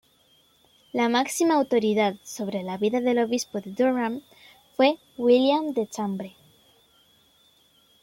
La máxima autoridad sobre la vida del obispo de Durham fue William de Chambre.